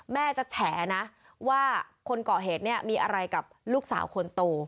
แม่จะแฉนะว่าคนก่อเหตุเนี่ยมีอะไรกับลูกสาวคนโต